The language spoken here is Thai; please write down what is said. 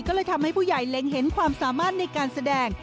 ก็เลยทำให้ผู้ใหญ่เล็งเห็นความสามารถในการแสดง